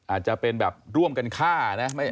อาจจะเป็นแบบร่วมกันฆ่านะ